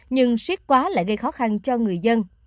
nhưng siết quá lại gây khó khăn cho người dân